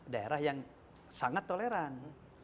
daerah yang sangat toleran